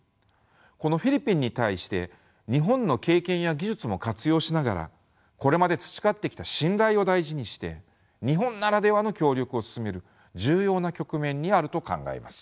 このフィリピンに対して日本の経験や技術も活用しながらこれまで培ってきた信頼を大事にして日本ならではの協力を進める重要な局面にあると考えます。